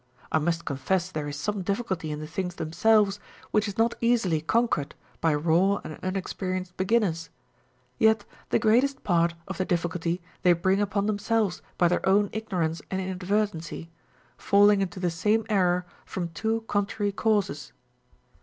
I must confess there is some difficulty in the things them selves which is not easily conquered by raw and unexperi enced beginners ; yet the greatest part of the difficulty they bring upon themselves by their own ignorance and inad vertency, fidling into the same error from two contrary causes.